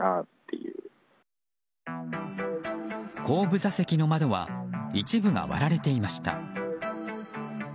後部座席の窓は一部が割られていました。